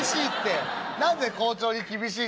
何で校長に厳しいんだよ」。